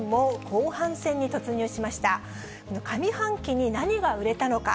上半期に何が売れたのか。